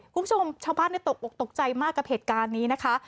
คุณผู้ชมชาวบ้านตกอกตกใจมากกับเหตุการณ์นี้นะคะ